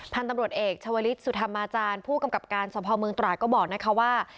พันธุ์ตำรวจเอกชาวลิศสุธรรมาจารย์ผู้กำกับการสภเมืองตราดก็บอกนะคะว่า